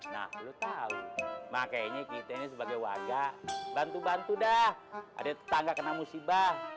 nah lo tahu mak kayaknya kita ini sebagai waga bantu bantu dah ada tetangga kena musibah